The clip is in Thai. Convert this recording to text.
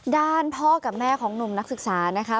ด้านพ่อกับแม่ของหนุ่มนักศึกษานะคะ